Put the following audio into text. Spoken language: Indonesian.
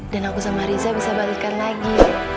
dan aku sama riza bisa balikkan lagi